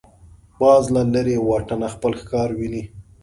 باز له لرې واټنه خپل ښکار ویني